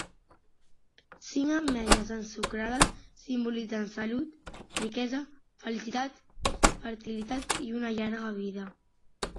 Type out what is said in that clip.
Cinc ametlles ensucrades simbolitzen salut, riquesa, felicitat, fertilitat i una llarga vida.